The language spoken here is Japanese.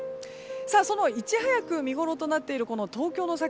そのいち早く見ごろとなっている東京の桜。